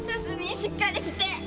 しっかりして！